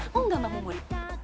oh enggak mbak mumun